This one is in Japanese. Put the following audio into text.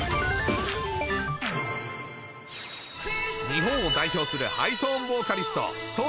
日本を代表するハイトーンボーカリストＴｏｓｈｌ。